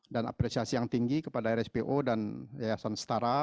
dan apresiasi yang tinggi kepada rspo dan yayasan setara